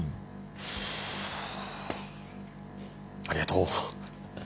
ありがとう。